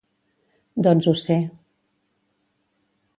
Doncs ho sé.